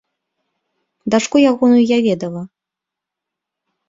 Дачку ягоную я ведала.